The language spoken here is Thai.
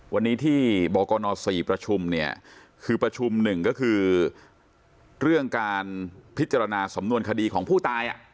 วันนี้ที่บกน๔ประชุมเนี่ยคือประชุมหนึ่งก็คือเรื่องการพิจารณาสำนวนคดีของผู้ตาย